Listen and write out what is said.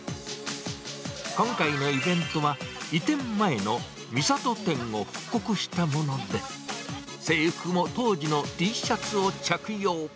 今回のイベントは、移転前の三郷店を復刻したもので、制服も当時のＴシャツを着用。